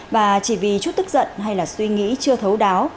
và chỉ vì chút tức giận hay là suy nghĩ chưa thấu đáo